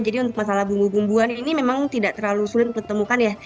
jadi untuk masalah bumbu bumbuan ini memang tidak terlalu sulit untuk ditemukan ya